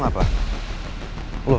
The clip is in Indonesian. saya mau ke rumah